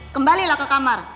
kembalilah ke kamar